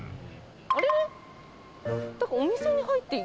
あれ？